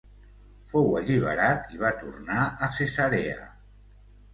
Fou alliberat i va tornar a Cesarea.